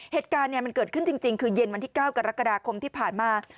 เหตุการณ์มันเกิดขึ้นจริงคือเย็นวันที่๙กรกฎาคมที่ผ่านมา